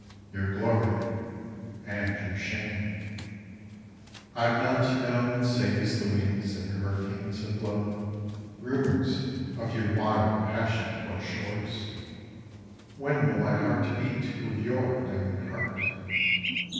Your glory and your shame — I have not known Save as the winds and hurricanes have blown Rumors of your wild passion to our shores. When will my heart beat with your iron heart?